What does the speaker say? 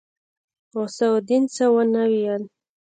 غوث الدين څه ونه ويل.